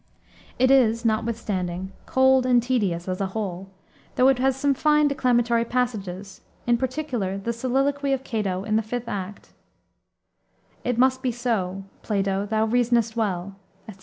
It is, notwithstanding, cold and tedious, as a whole, though it has some fine declamatory passages in particular the soliloquy of Cato in the fifth act "It must be so: Plato, thou reasonest well," etc.